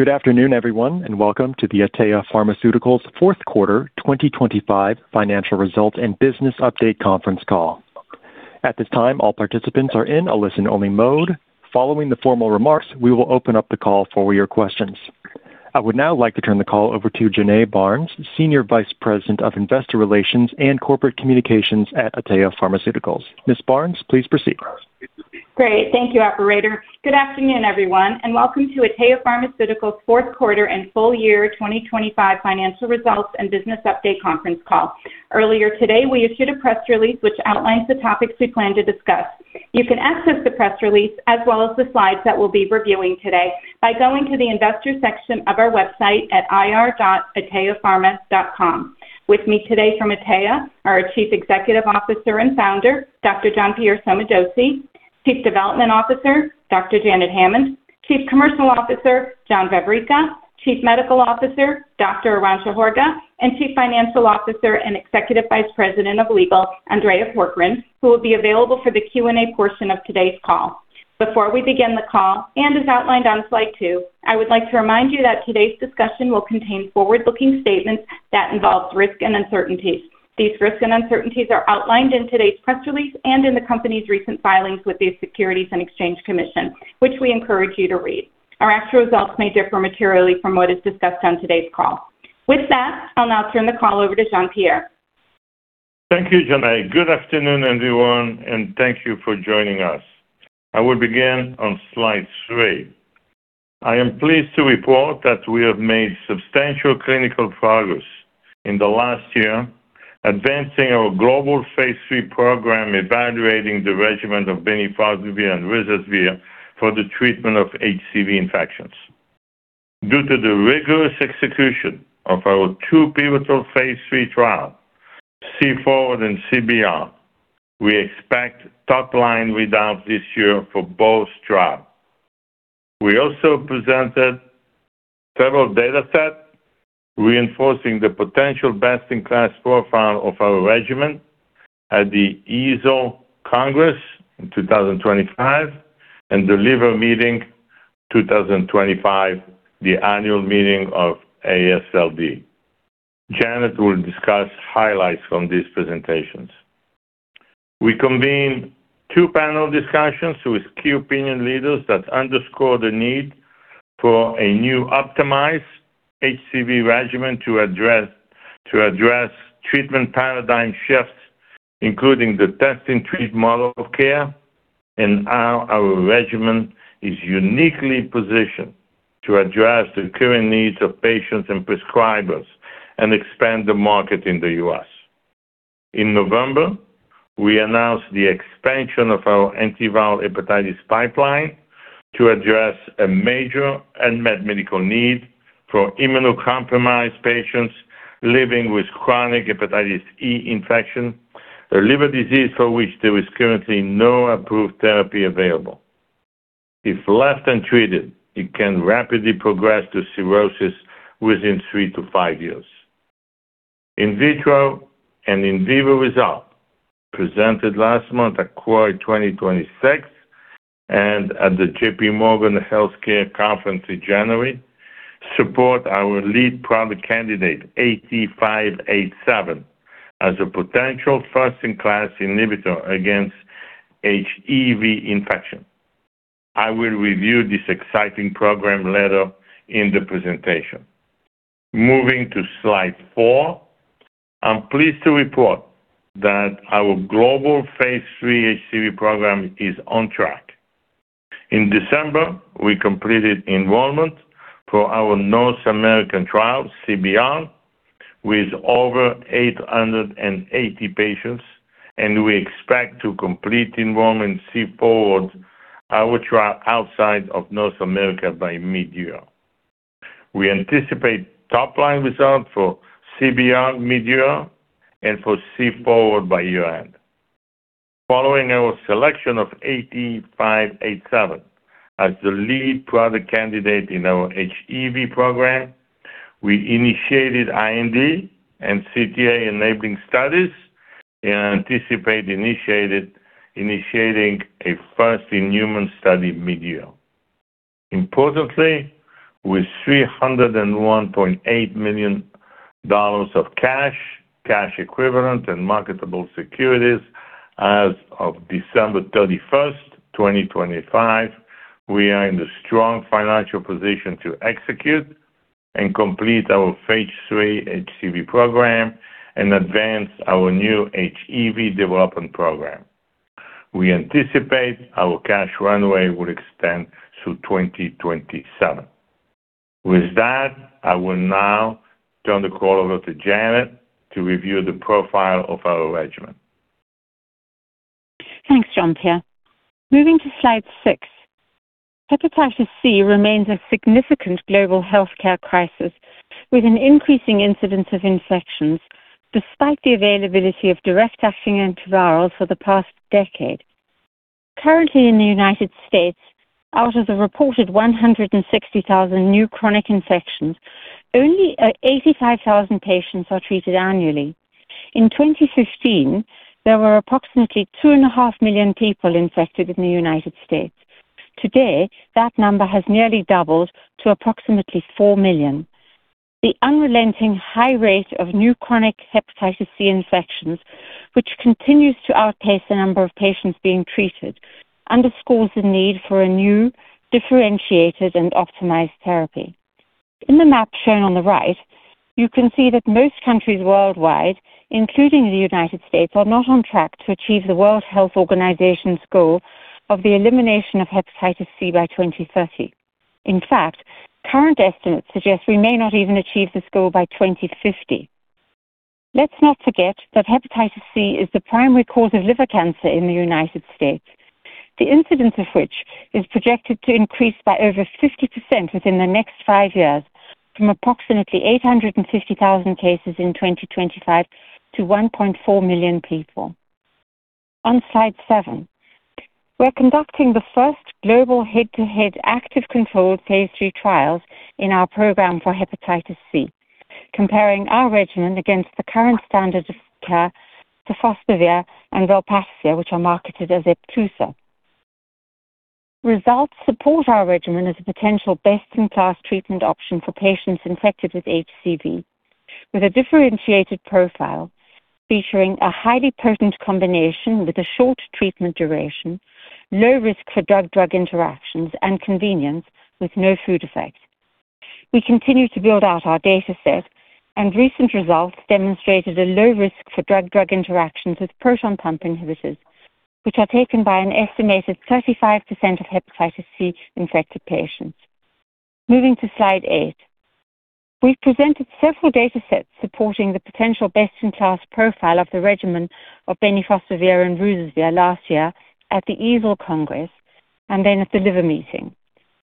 Good afternoon, everyone, welcome to the Atea Pharmaceuticals fourth quarter 2025 financial results and business update conference call. At this time, all participants are in a listen-only mode. Following the formal remarks, we will open up the call for your questions. I would now like to turn the call over to Jonae Barnes, Senior Vice President of Investor Relations and Corporate Communications at Atea Pharmaceuticals. Ms. Barnes, please proceed. Great. Thank you, operator. Good afternoon, everyone. Welcome to Atea Pharmaceuticals fourth quarter and full year 2025 financial results and business update conference call. Earlier today, we issued a press release which outlines the topics we plan to discuss. You can access the press release as well as the slides that we'll be reviewing today by going to the investor section of our website at ir.ateapharma.com. With me today from Atea are Chief Executive Officer and Founder, Dr. Jean-Pierre Sommadossi, Chief Development Officer, Dr. Janet Hammond, Chief Commercial Officer, John Vavricka, Chief Medical Officer, Dr. Arantxa Horga, and Chief Financial Officer and Executive Vice President of Legal, Andrea Corcoran, who will be available for the Q&A portion of today's call. Before we begin the call, and as outlined on slide two, I would like to remind you that today's discussion will contain forward-looking statements that involve risks and uncertainties. These risks and uncertainties are outlined in today's press release and in the company's recent filings with the Securities and Exchange Commission, which we encourage you to read. Our actual results may differ materially from what is discussed on today's call. With that, I'll now turn the call over to Jean-Pierre. Thank you, Jenna. Good afternoon, everyone, and thank you for joining us. I will begin on slide three. I am pleased to report that we have made substantial clinical progress in the last year, advancing our global phase 3 program, evaluating the regimen of bemnifosbuvir and ruzasvir for the treatment of HCV infections. Due to the rigorous execution of our two pivotal phase III trials, C-FORWARD and C-BEYOND, we expect top-line readouts this year for both trials. We also presented several datasets reinforcing the potential best-in-class profile of our regimen at the EASL Congress in 2025 and The Liver Meeting 2025, the annual meeting of AASLD. Janet will discuss highlights from these presentations. We convened two panel discussions with key opinion leaders that underscore the need for a new optimized HCV regimen to address treatment paradigm shifts, including the test and treat model of care, and how our regimen is uniquely positioned to address the current needs of patients and prescribers and expand the market in the U.S. In November, we announced the expansion of our antiviral Hepatitis pipeline to address a major unmet medical need for immunocompromised patients living with chronic Hepatitis E infection, a liver disease for which there is currently no approved therapy available. If left untreated, it can rapidly progress to cirrhosis within 3-5 years. In vitro and in vivo results presented last month at CROI 2026 and at the JPMorgan Healthcare Conference in January support our lead product candidate, AT-587, as a potential first-in-class inhibitor against HEV infection. I will review this exciting program later in the presentation. Moving to slide four, I'm pleased to report that our global phase III HCV program is on track. In December, we completed enrollment for our North American trial, C-BEYOND, with over 880 patients, and we expect to complete enrollment C-FORWARD, our trial outside of North America, by midyear. We anticipate top-line results for C-BEYOND midyear and for C-FORWARD by year-end. Following our selection of AT-587 as the lead product candidate in our HEV program, we initiated IND and CTA enabling studies and anticipate initiating a first-in-human study midyear. Importantly, with $301.8 million of cash equivalent and marketable securities as of December 31, 2025, we are in a strong financial position to execute and complete our phase III HCV program and advance our new HEV development program. We anticipate our cash runway will extend through 2027. With that, I will now turn the call over to Janet to review the profile of our regimen. Thanks, Jean-Pierre. Moving to slide six. Hepatitis C remains a significant global healthcare crisis, with an increasing incidence of infections despite the availability of direct-acting antivirals for the past decade. Currently in the United States, out of the reported 160,000 new chronic infections, only 85,000 patients are treated annually. In 2015, there were approximately 2.5 million people infected in the United States. Today, that number has nearly doubled to approximately 4 million. The unrelenting high rate of new chronic Hepatitis C infections, which continues to outpace the number of patients being treated, underscores the need for a new differentiated and optimized therapy. In the map shown on the right, you can see that most countries worldwide, including the United States, are not on track to achieve the World Health Organization's goal of the elimination of Hepatitis C by 2030. In fact, current estimates suggest we may not even achieve this goal by 2050. Let's not forget that Hepatitis C is the primary cause of liver cancer in the United States. The incidence of which is projected to increase by over 50% within the next five years from approximately 850,000 cases in 2025 to 1.4 million people. On slide seven, we're conducting the first global head-to-head active controlled phase III trials in our program for Hepatitis C, comparing our regimen against the current standard of care, sofosbuvir and velpatasvir, which are marketed as Epclusa. Results support our regimen as a potential best-in-class treatment option for patients infected with HCV, with a differentiated profile featuring a highly potent combination with a short treatment duration, low risk for drug-drug interactions, and convenience with no food effects. We continue to build out our data set, and recent results demonstrated a low risk for drug-drug interactions with proton pump inhibitors, which are taken by an estimated 35% of Hepatitis C-infected patients. Moving to slide eight. We've presented several data sets supporting the potential best-in-class profile of the regimen of bemnifosbuvir and ruzasvir last year at the EASL Congress and then at The Liver Meeting.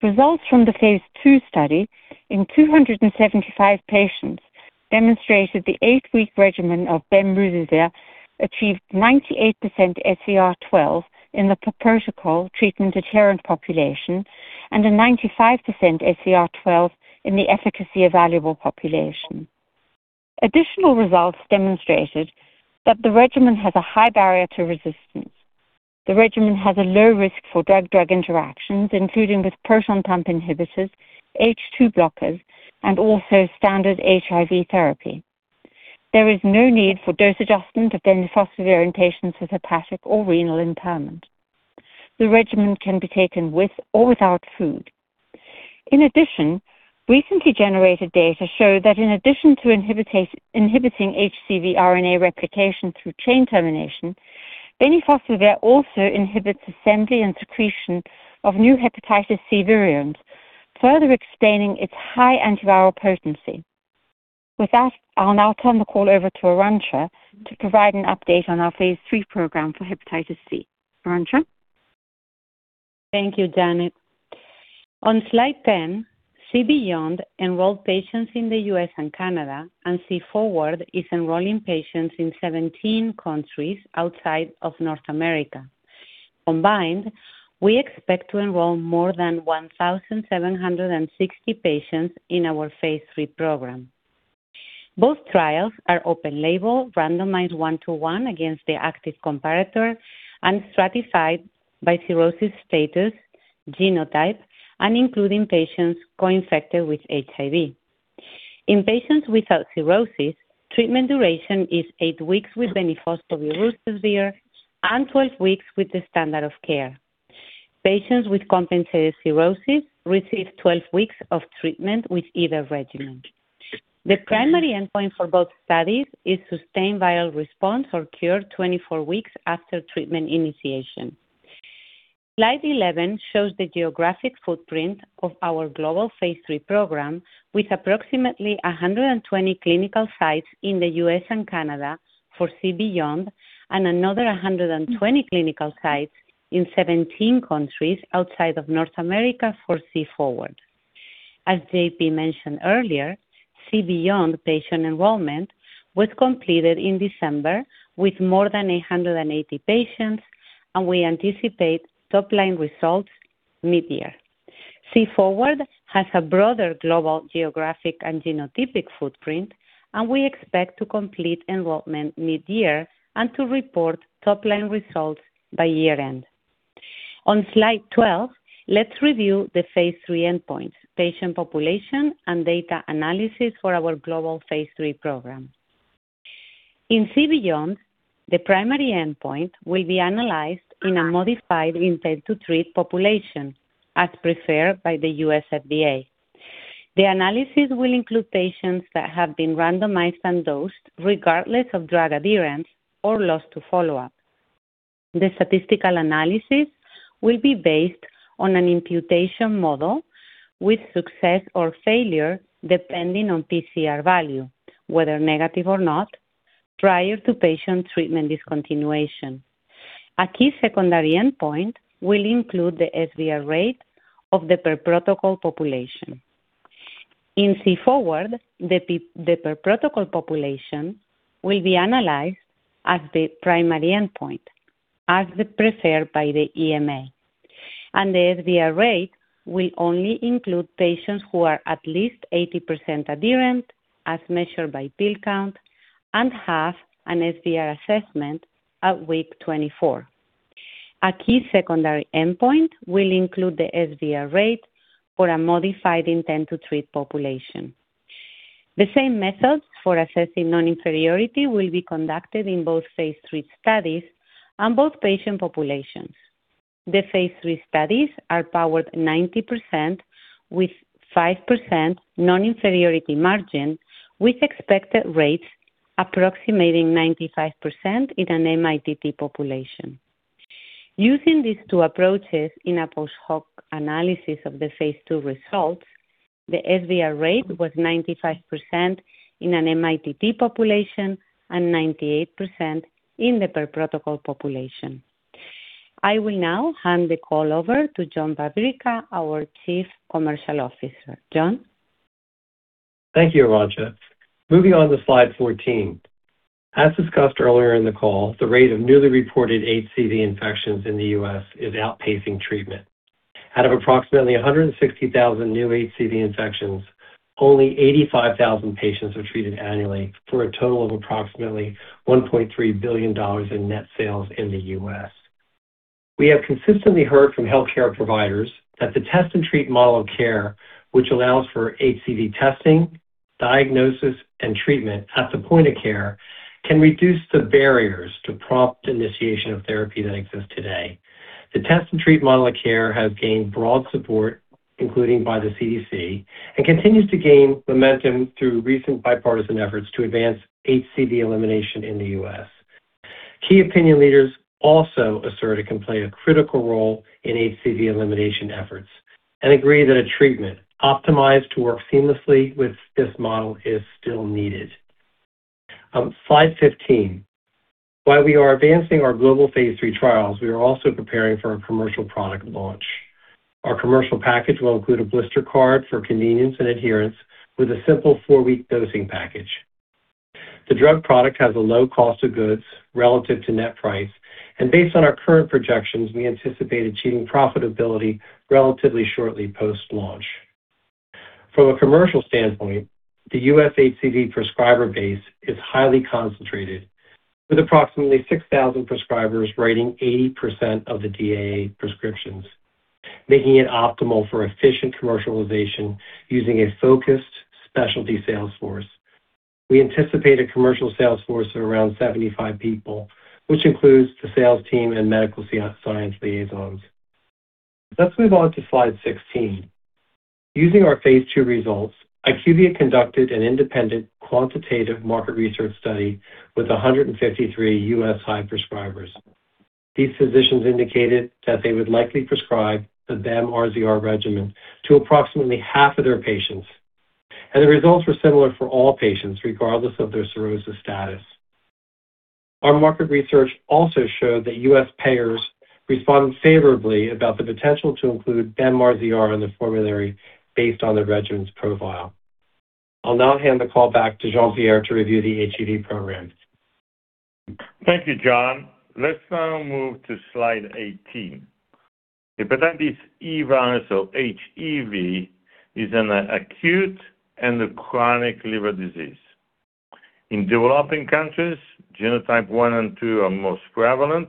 Results from the phase 2 study in 275 patients demonstrated the 8-week regimen of bem/ruzasvir achieved 98% SVR12 in the protocol treatment-adherent population, and a 95% SVR12 in the efficacy-evaluable population. Additional results demonstrated that the regimen has a high barrier to resistance. The regimen has a low risk for drug-drug interactions, including with proton pump inhibitors, H2 blockers, and also standard HIV therapy. There is no need for dose adjustment of bemnifosbuvir in patients with hepatic or renal impairment. The regimen can be taken with or without food. In addition, recently generated data show that in addition to inhibiting HCV RNA replication through chain termination, bemnifosbuvir also inhibits assembly and secretion of new Hepatitis C virions, further explaining its high antiviral potency. With that, I'll now turn the call over to Arantxa to provide an update on our phase III program for Hepatitis C. Arantxa? Thank you, Janet. On slide 10, C-BEYOND enrolled patients in the U.S. and Canada, and C-FORWARD is enrolling patients in 17 countries outside of North America. Combined, we expect to enroll more than 1,760 patients in our phase III program. Both trials are open-label, randomized 1-to-1 against the active comparator and stratified by cirrhosis status, genotype, and including patients co-infected with HIV. In patients without cirrhosis, treatment duration is eight weeks with bemnifosbuvir/ruzasvir and 12 weeks with the standard of care. Patients with compensated cirrhosis receive 12 weeks of treatment with either regimen. The primary endpoint for both studies is sustained viral response or cure 24 weeks after treatment initiation. Slide 11 shows the geographic footprint of our global phase III program with approximately 120 clinical sites in the U.S. and Canada for C-BEYOND and another 120 clinical sites in 17 countries outside of North America for C-FORWARD. As JP mentioned earlier, C-BEYOND patient enrollment was completed in December with more than 180 patients. We anticipate top-line results mid-year. C-FORWARD has a broader global geographic and genotypic footprint. We expect to complete enrollment mid-year and to report top-line results by year-end. On slide 12, let's review the phase III endpoints, patient population, and data analysis for our global phase III program. In C-BEYOND, the primary endpoint will be analyzed in a modified intent-to-treat population as preferred by the U.S. FDA. The analysis will include patients that have been randomized and dosed regardless of drug adherence or loss to follow-up. The statistical analysis will be based on an imputation model with success or failure depending on PCR value, whether negative or not, prior to patient treatment discontinuation. A key secondary endpoint will include the SVR rate of the per-protocol population. In C-FORWARD, the per-protocol population will be analyzed as the primary endpoint as preferred by the EMA. The SVR rate will only include patients who are at least 80% adherent as measured by pill count and have an SVR assessment at week 24. A key secondary endpoint will include the SVR rate for a modified intent to treat population. The same methods for assessing non-inferiority will be conducted in both phase III studies and both patient populations. The phase III studies are powered 90% with 5% non-inferiority margin, with expected rates approximating 95% in an MITT population. Using these two approaches in a post-hoc analysis of the phase 2 results, the SVR rate was 95% in an MITT population and 98% in the per protocol population. I will now hand the call over to John Vavricka, our Chief Commercial Officer. John? Thank you, Arantxa. Moving on to slide 14. As discussed earlier in the call, the rate of newly reported HCV infections in the U.S. is outpacing treatment. Out of approximately 160,000 new HCV infections, only 85,000 patients are treated annually, for a total of approximately $1.3 billion in net sales in the U.S. We have consistently heard from healthcare providers that the test and treat model of care, which allows for HCV testing, diagnosis and treatment at the point of care, can reduce the barriers to prompt initiation of therapy that exists today. The test and treat model of care has gained broad support, including by the CDC, and continues to gain momentum through recent bipartisan efforts to advance HCV elimination in the U.S. Key opinion leaders also assert it can play a critical role in HCV elimination efforts and agree that a treatment optimized to work seamlessly with this model is still needed. Slide 15. While we are advancing our global phase III trials, we are also preparing for a commercial product launch. Our commercial package will include a blister card for convenience and adherence with a simple 4-week dosing package. The drug product has a low cost of goods relative to net price, and based on our current projections, we anticipate achieving profitability relatively shortly post-launch. From a commercial standpoint, the U.S. HCV prescriber base is highly concentrated with approximately 6,000 prescribers writing 80% of the DAA prescriptions, making it optimal for efficient commercialization using a focused specialty sales force. We anticipate a commercial sales force of around 75 people, which includes the sales team and medical science liaisons. Let's move on to slide 16. Using our phase II results, IQVIA conducted an independent quantitative market research study with 153 U.S. high prescribers. These physicians indicated that they would likely prescribe the BEM/RZR regimen to approximately half of their patients, and the results were similar for all patients, regardless of their cirrhosis status. Our market research also showed that U.S. payers respond favorably about the potential to include BEM/RZR on the formulary based on the regimen's profile. I'll now hand the call back to Jean-Pierre to review the HEV programs. Thank you, John. Let's now move to slide 18. Hepatitis E virus or HEV is an acute and a chronic liver disease. In developing countries, genotype 1 and 2 are most prevalent,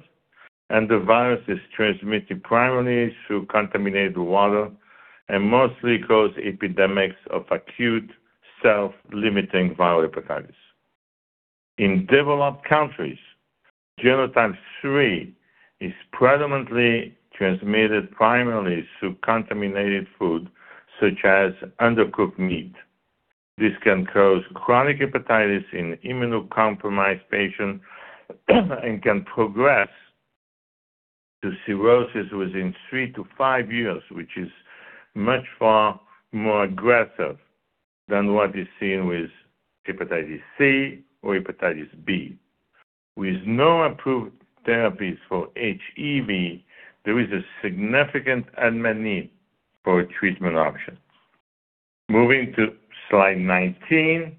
and the virus is transmitted primarily through contaminated water and mostly cause epidemics of acute self-limiting viral hepatitis. In developed countries, genotype 3 is predominantly transmitted primarily through contaminated food, such as undercooked meat. This can cause chronic hepatitis in immunocompromised patients and can progress to cirrhosis within 3 to 5 years, which is much far more aggressive than what is seen with Hepatitis C or Hepatitis B. With no approved therapies for HEV, there is a significant unmet need for a treatment option. Moving to slide 19.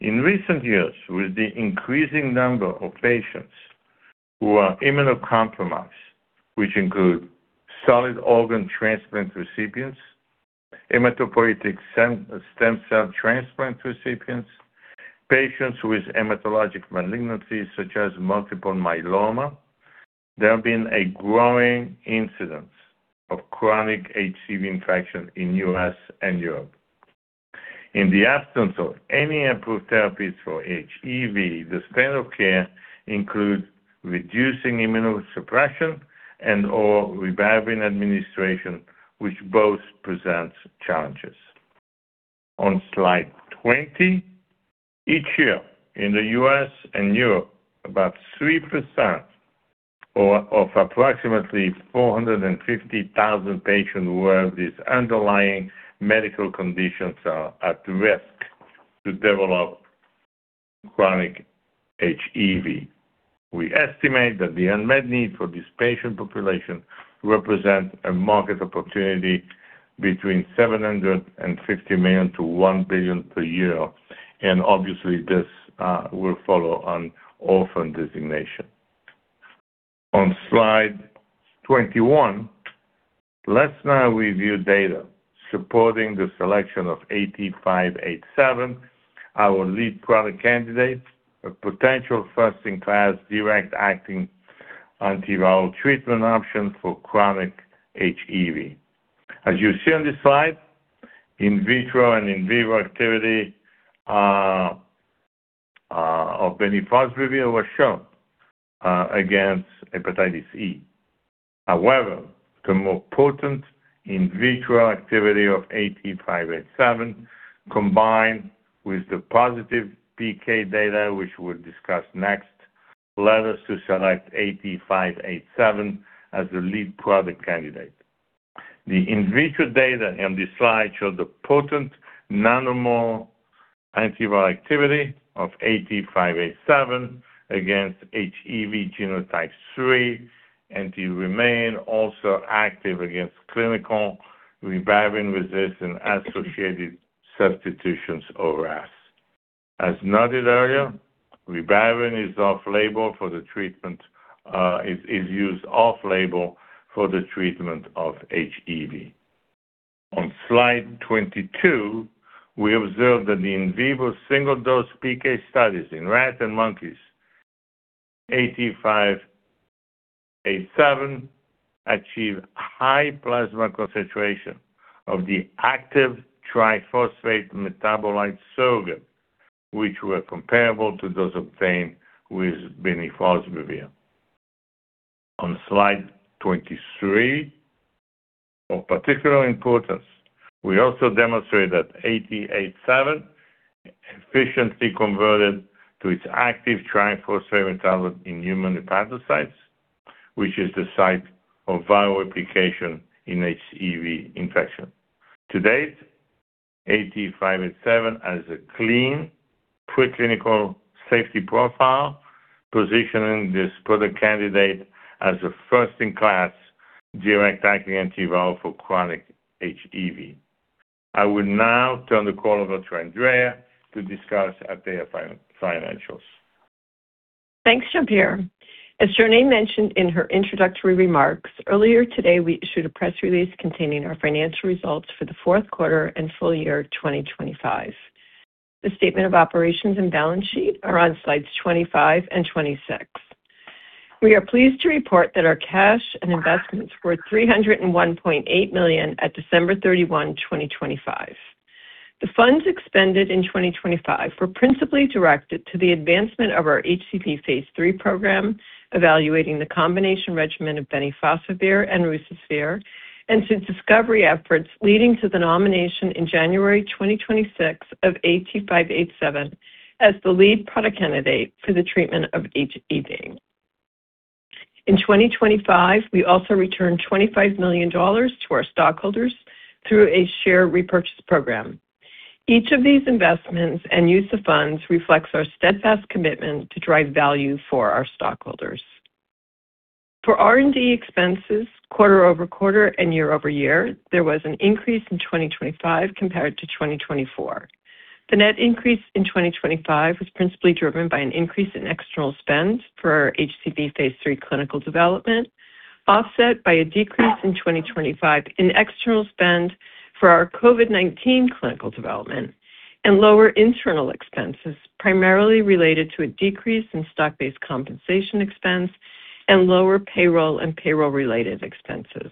In recent years, with the increasing number of patients who are immunocompromised, which include solid organ transplant recipients, hematopoietic cell, stem cell transplant recipients, patients with hematologic malignancies such as multiple myeloma, there have been a growing incidence of chronic HCV infection in the U.S. and Europe. In the absence of any approved therapies for HEV, the standard of care includes reducing immunosuppression and/or ribavirin administration, which both presents challenges. On slide 20. Each year in the U.S. and Europe, about 3% or approximately 450,000 patients who have these underlying medical conditions are at risk to develop chronic HEV. We estimate that the unmet need for this patient population represent a market opportunity between $750 million-$1 billion per year. Obviously, this will follow on orphan designation. On slide 21, let's now review data supporting the selection of AT-587, our lead product candidate, a potential first-in-class direct-acting antiviral treatment option for chronic HEV. As you see on this slide, in vitro and in vivo activity of bemnifosbuvir was shown against Hepatitis E. However, the more potent in vitro activity of AT-587 combined with the positive PK data, which we'll discuss next, led us to select AT-587 as the lead product candidate. The in vitro data on this slide shows the potent nanomole antiviral activity of AT-587 against HEV genotype 3, and they remain also active against clinical ribavirin resistance-associated substitutions or RAS. As noted earlier, ribavirin is off-label for the treatment, is used off-label for the treatment of HEV. On slide 22, we observed that the in vivo single-dose PK studies in rats and monkeys, AT-587 achieved high plasma concentration of the active triphosphate metabolite surrogate, which were comparable to those obtained with bemnifosbuvir. On slide 23, of particular importance, we also demonstrated that AT-587 efficiently converted to its active triphosphate metabolite in human hepatocytes, which is the site of viral replication in HEV infection. To date, AT-587 has a clean preclinical safety profile, positioning this product candidate as a first-in-class direct-acting antiviral for chronic HEV. I will now turn the call over to Andrea to discuss Atea financials. Thanks, Jean-Pierre. As Jean-Pierre mentioned in her introductory remarks, earlier today we issued a press release containing our financial results for the fourth quarter and full year 2025. The statement of operations and balance sheet are on slides 25 and 26. We are pleased to report that our cash and investments were $301.8 million at December 31, 2025. The funds expended in 2025 were principally directed to the advancement of our HCV Phase III program, evaluating the combination regimen of bemnifosbuvir and ruzasvir, and to discovery efforts leading to the nomination in January 2026 of AT-587 as the lead product candidate for the treatment of HEV. In 2025, we also returned $25 million to our stockholders through a share repurchase program. Each of these investments and use of funds reflects our steadfast commitment to drive value for our stockholders. For R&D expenses quarter-over-quarter and year-over-year, there was an increase in 2025 compared to 2024. The net increase in 2025 was principally driven by an increase in external spend for our HCV phase III clinical development, offset by a decrease in 2025 in external spend for our COVID-19 clinical development and lower internal expenses, primarily related to a decrease in stock-based compensation expense and lower payroll and payroll-related expenses.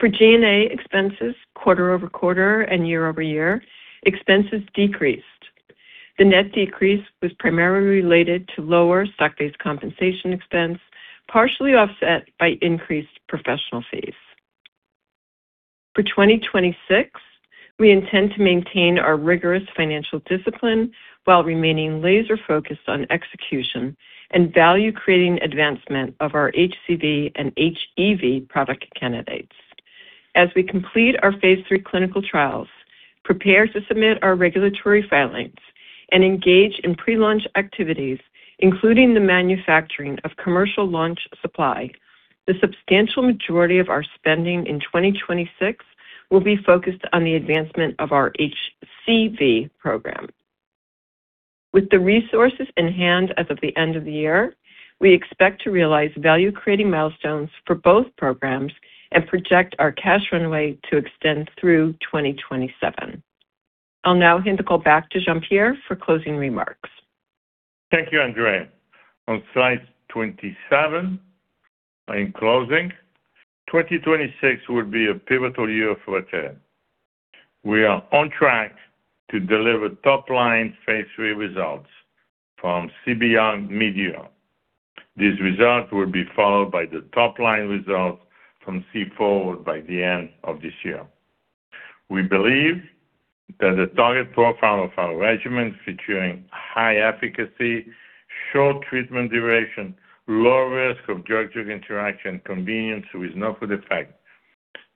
For G&A expenses quarter-over-quarter and year-over-year, expenses decreased. The net decrease was primarily related to lower stock-based compensation expense, partially offset by increased professional fees. For 2026, we intend to maintain our rigorous financial discipline while remaining laser-focused on execution and value-creating advancement of our HCV and HEV product candidates. As we complete our Phase III clinical trials, prepare to submit our regulatory filings, and engage in pre-launch activities, including the manufacturing of commercial launch supply, the substantial majority of our spending in 2026 will be focused on the advancement of our HCV program. With the resources in hand as of the end of the year, we expect to realize value-creating milestones for both programs and project our cash runway to extend through 2027. I'll now hand the call back to Jean-Pierre for closing remarks. Thank you, Andrea. On slide 27, in closing, 2026 will be a pivotal year for Atea. We are on track to deliver top-line phase III results from C-BEYOND mid-year. These results will be followed by the top-line results from C-FORWARD by the end of this year. We believe that the target profile of our regimens featuring high efficacy, short treatment duration, low risk of drug-drug interaction, convenience with no food effect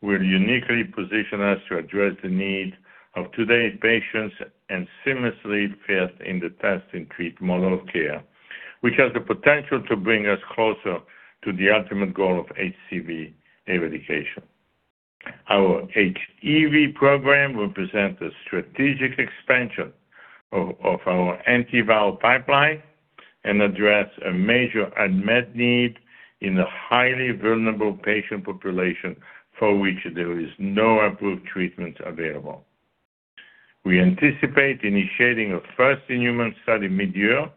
will uniquely position us to address the need of today's patients and seamlessly fit in the test and treat model of care, which has the potential to bring us closer to the ultimate goal of HCV eradication. Our HEV program represents a strategic expansion of our antiviral pipeline and address a major unmet need in a highly vulnerable patient population for which there is no approved treatment available. We anticipate initiating a first human study midyear,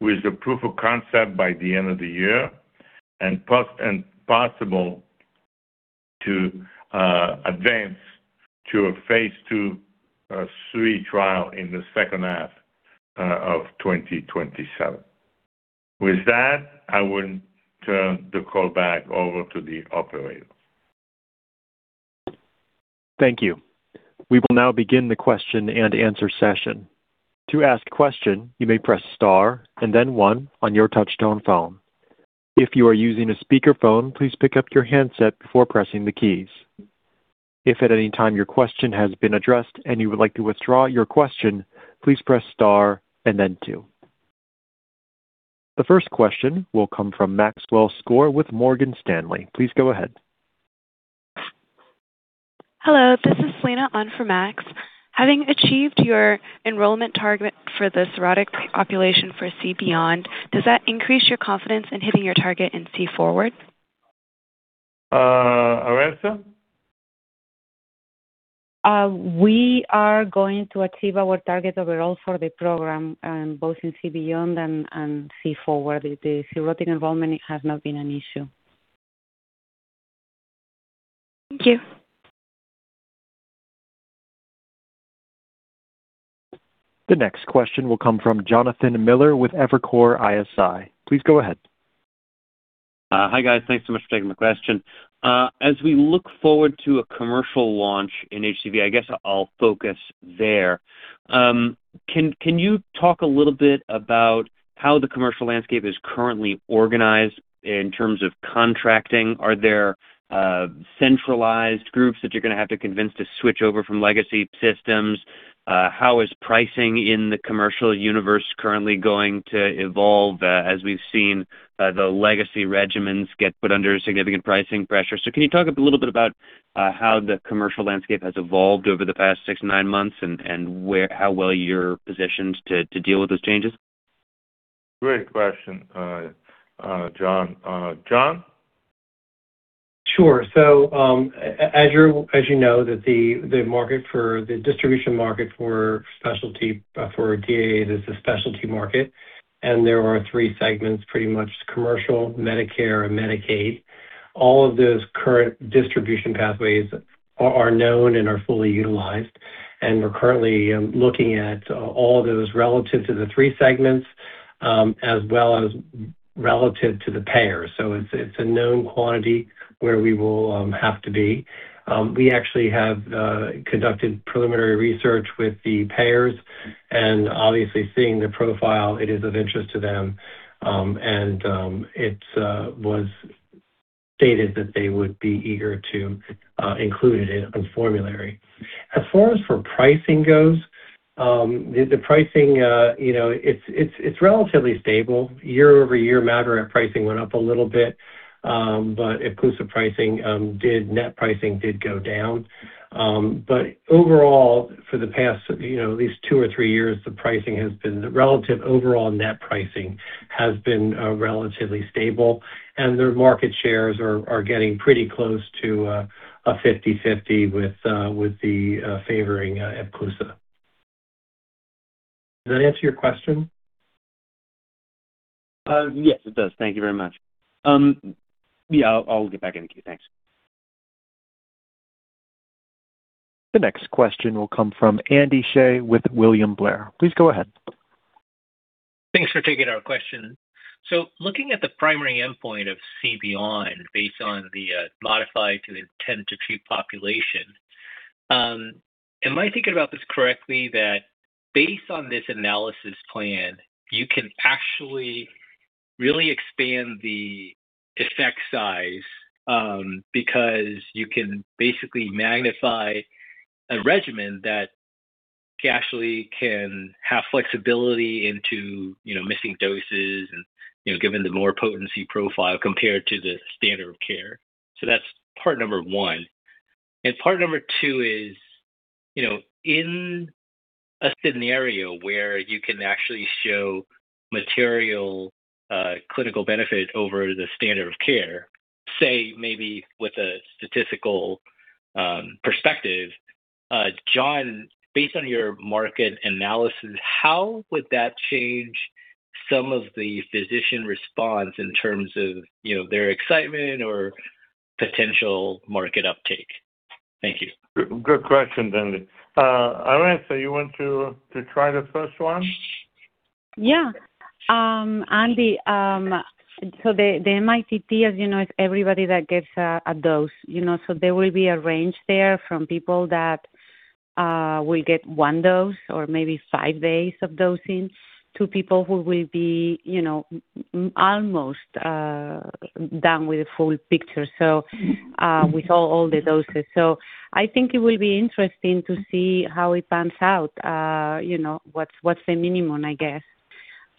with the proof of concept by the end of the year and possible to advance to a phase II, III trial in the second half of 2027. With that, I will turn the call back over to the operator. Thank you. We will now begin the question and answer session. To ask question, you may press star and then one on your touchtone phone. If you are using a speakerphone, please pick up your handset before pressing the keys. If at any time your question has been addressed and you would like to withdraw your question, please press star and then two. The first question will come from Maxwell Skor with Morgan Stanley. Please go ahead. Hello, this is Selena on for Max. Having achieved your enrollment target for the cirrhotic population for C-BEYOND, does that increase your confidence in hitting your target in C-FORWARD? Arantxa? We are going to achieve our target overall for the program, both in C-BEYOND and C-FORWARD. The cirrhotic enrollment has not been an issue. Thank you. The next question will come from Jonathan Miller with Evercore ISI. Please go ahead. Hi, guys. Thanks so much for taking my question. As we look forward to a commercial launch in HCV, I guess I'll focus there. Can you talk a little bit about how the commercial landscape is currently organized in terms of contracting? Are there centralized groups that you're gonna have to convince to switch over from legacy systems? How is pricing in the commercial universe currently going to evolve, as we've seen the legacy regimens get put under significant pricing pressure? Can you talk a little bit about how the commercial landscape has evolved over the past 6, 9 months, and how well you're positioned to deal with those changes? Great question, John. John? As you know, the distribution market for specialty DAA is a specialty market, and there are three segments, pretty much commercial, Medicare, and Medicaid. All of those current distribution pathways are known and are fully utilized, and we're currently looking at all those relative to the three segments, as well as relative to the payers. It's a known quantity where we will have to be. We actually have conducted preliminary research with the payers and obviously seeing the profile, it is of interest to them, and it was stated that they would be eager to include it in a formulary. As far as for pricing goes, the pricing, you know, it's relatively stable. Year-over-year, Madron pricing went up a little bit, inclusive pricing, net pricing did go down. Overall, for the past, you know, at least two or three years, the relative overall net pricing has been relatively stable, and their market shares are getting pretty close to a 50/50 with the favoring Epclusa. Does that answer your question? Yes, it does. Thank you very much. Yeah, I'll get back in queue. Thanks. The next question will come from Andy Hsieh with William Blair. Please go ahead. Thanks for taking our question. Looking at the primary endpoint of C-BEYOND based on the modified to the 10 to 2 population, am I thinking about this correctly that based on this analysis plan, you can actually really expand the effect size because you can basically magnify a regimen that you actually can have flexibility into, you know, missing doses and, you know, given the more potency profile compared to the standard of care? That's part number one. Part number two is, you know, in a scenario where you can actually show material clinical benefit over the standard of care, say maybe with a statistical perspective, John, based on your market analysis, how would that change some of the physician response in terms of, you know, their excitement or potential market uptake? Thank you. Good question, Andy. Arantxa, you want to try the first one? Yeah. Andy, the MITT, as you know, is everybody that gets a dose, you know. There will be a range there from people that will get one dose or maybe five days of dosing to people who will be Almost done with the full picture, so we saw all the doses. I think it will be interesting to see how it pans out. You know, what's the minimum, I guess.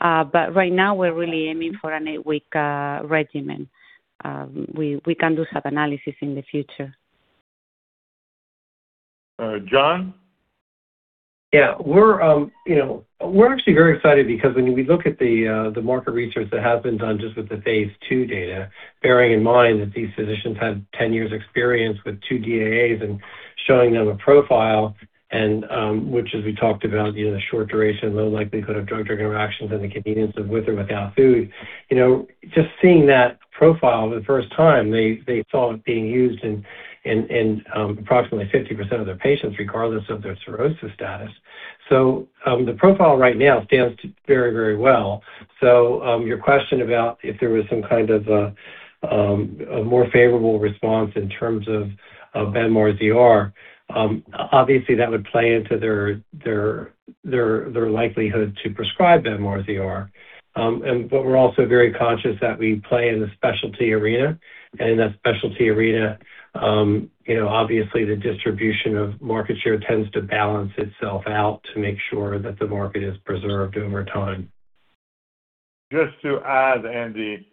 Right now we're really aiming for an eight-week regimen. We can do sub-analysis in the future. John? We're actually very excited because when we look at the market research that has been done just with the phase II data, bearing in mind that these physicians had 10 years' experience with 2 DAAs and showing them a profile and which as we talked about, you know, the short duration, low likelihood of drug-drug interactions and the convenience of with or without food. You know, just seeing that profile for the first time, they saw it being used in approximately 50% of their patients, regardless of their cirrhosis status. The profile right now stands to very well. Your question about if there was some kind of a more favorable response in terms of BEM/RZR, obviously that would play into their likelihood to prescribe BEM/RZR. We're also very conscious that we play in the specialty arena. In that specialty arena, you know, obviously the distribution of market share tends to balance itself out to make sure that the market is preserved over time. Just to add, Andy,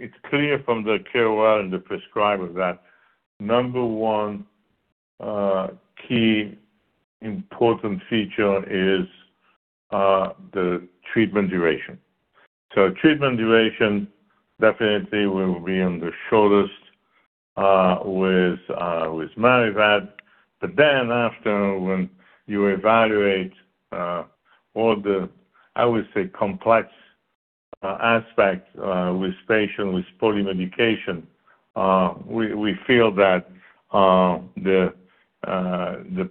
it's clear from the KOL and the prescriber that number one, key important feature is the treatment duration. Treatment duration definitely will be on the shortest with Mavyret. After, when you evaluate all the, I would say, complex aspects with patients with polymedication, we feel that the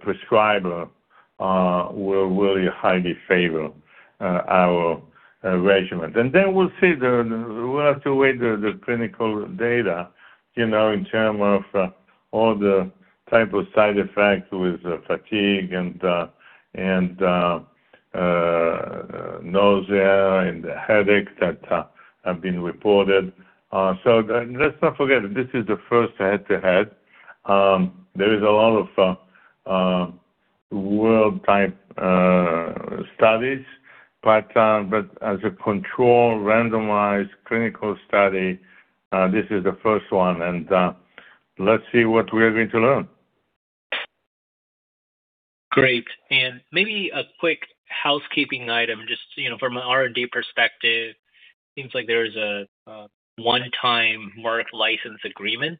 prescriber will really highly favor our regimen. Then we'll see the, we have to wait the clinical data, you know, in term of all the type of side effects with fatigue and nausea and headaches that have been reported. Let's not forget, this is the first head-to-head. There is a lot of world type studies, but as a control randomized clinical study, this is the first one and let's see what we are going to learn. Great. Maybe a quick housekeeping item, just, you know, from an R&D perspective, seems like there is a one-time Merck license agreement.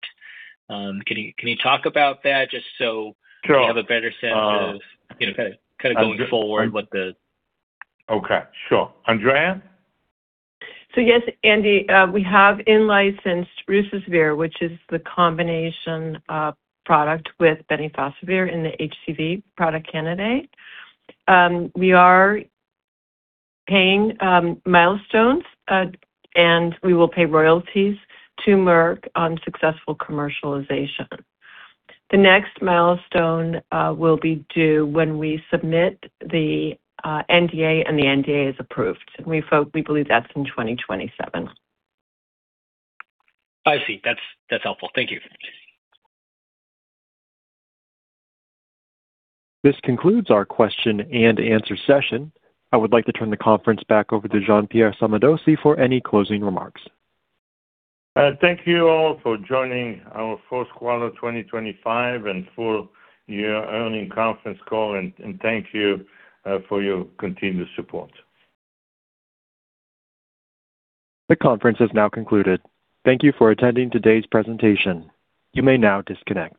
Can you talk about that just so we have a better sense of, you know, kind of going forward with the- Okay, sure. Andrea? Yes, Andy. We have in-licensed ruzasvir, which is the combination product with bemnifosbuvir in the HCV product candidate. We are paying milestones, and we will pay royalties to Merck on successful commercialization. The next milestone will be due when we submit the NDA and the NDA is approved. We believe that's in 2027. I see. That's helpful. Thank you. This concludes our question-and-answer session. I would like to turn the conference back over to Jean-Pierre Sommadossi for any closing remarks. Thank you all for joining our fourth quarter 2025 and full year earnings conference call, thank you for your continued support. The conference has now concluded. Thank you for attending today's presentation. You may now disconnect.